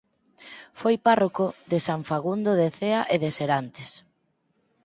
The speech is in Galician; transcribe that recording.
Foi párroco de San Fagundo de Cea e de Serantes.